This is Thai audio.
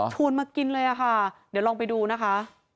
มากินเลยค่ะเดี๋ยวลองไปดูนะคะ